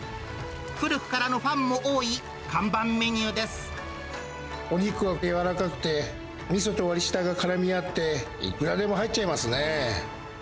古くからのファンも多い、看板メお肉はやわらかくて、みそと割り下がからみ合って、いくらでも入っちゃいますね。